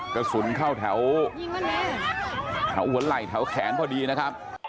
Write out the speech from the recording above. กระสุนเข้าแถวหัวไหล่แถวแขนพอดีนะครับ